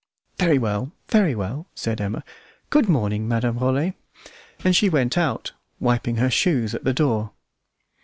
"Very well! very well!" said Emma. "Good morning, Madame Rollet," and she went out, wiping her shoes at the door.